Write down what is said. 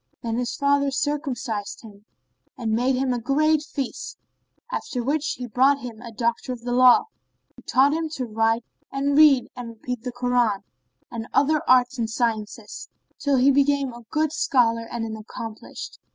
Then his father circumcised him and made him a great feast; after which he brought him a doctor of the law, who taught him to write and read and repeat the Koran, and other arts and sciences, till he became a good scholar and an accomplished.